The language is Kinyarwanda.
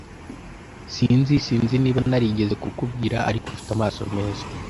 S Sinzi Sinzi niba narigeze kukubwira, ariko ufite amaso meza.